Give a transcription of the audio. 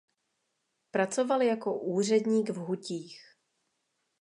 Pracoval jako úředník v hutích.